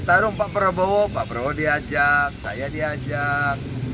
tarung pak prabowo pak prabowo diajak saya diajak